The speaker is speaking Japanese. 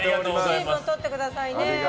水分とってくださいね。